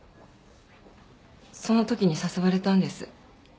その時に誘われたんです。